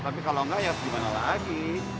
tapi kalau enggak ya gimana lagi